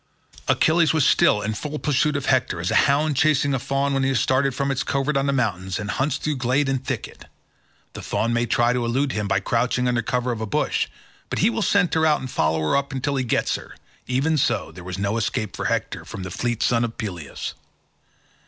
Achilles was still in full pursuit of Hector, as a hound chasing a fawn which he has started from its covert on the mountains, and hunts through glade and thicket. The fawn may try to elude him by crouching under cover of a bush, but he will scent her out and follow her up until he gets her—even so there was no escape for Hector from the fleet son of Peleus.